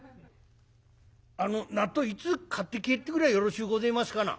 「あの納豆いつ買って帰ってくりゃよろしゅうごぜえますかな」。